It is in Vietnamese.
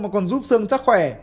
mà còn giúp xương chắc khỏe